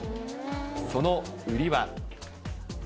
その売りは。